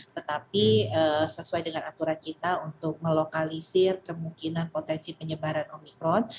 tetapi sesuai dengan aturan kita untuk melokalisir kemungkinan potensi penyebaran omikron